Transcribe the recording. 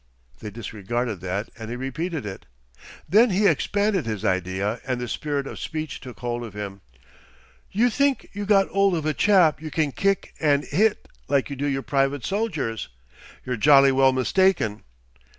They disregarded that and he repeated it. Then he expanded his idea and the spirit of speech took hold of him. "You think you got 'old of a chap you can kick and 'it like you do your private soldiers you're jolly well mistaken.